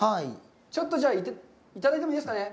ちょっとじゃあ、いただいてもいいですかね？